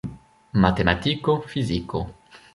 Matematiko, fiziko.